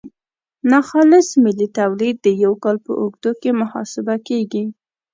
ناخالص ملي تولید د یو کال په اوږدو کې محاسبه کیږي.